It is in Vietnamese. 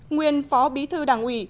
nguyên phó bí thư đảng ủy